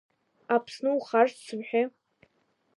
Аԥсны ухаршҭ сымҳәеи!